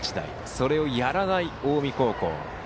それをやらない近江高校。